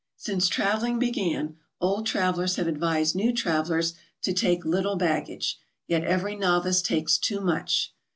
Since traveling began, old travelers have advised new travelers to take little baggage, yet every novice takes too much.